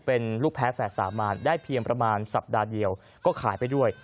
เป็นลูกแพ้แฝดสามมาได้เพียงประมาณสัปดาห์เดียวก็ขายไปด้วย